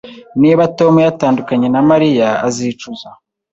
Niba Tom yatandukanye na Mariya, azicuza